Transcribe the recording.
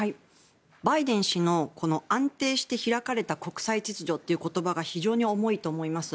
バイデン氏の安定して開かれた国際秩序という言葉が非常に重いと思います。